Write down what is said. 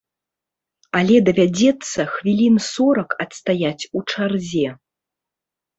Але давядзецца хвілін сорак адстаяць у чарзе.